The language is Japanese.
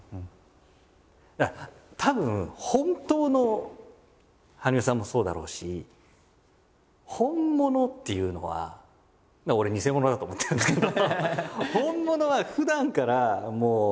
だからたぶん本当の羽生さんもそうだろうし本物っていうのはだから俺偽物だと思ってるんですけど。